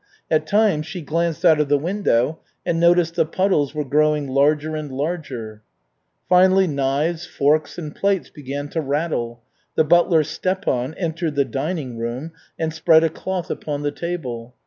At times she glanced out of the window and noticed the puddles were growing larger and larger. Finally knives, forks and plates began to rattle. The butler Stepan entered the dining room and spread a cloth upon the table.